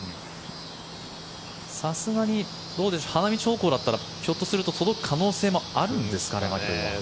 さすがに花道方向だったらひょっとすると届く可能性もあるんですかね、マキロイも。